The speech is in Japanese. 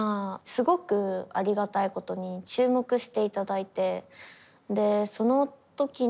すごくありがたいことに注目していただいてでその時にまあ